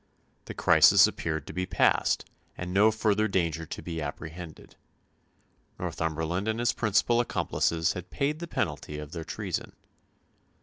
The crisis appeared to be past and no further danger to be apprehended. Northumberland and his principal accomplices had paid the penalty of their treason.